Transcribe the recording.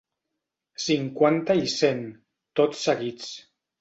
Cinquanta i cent, tots seguits.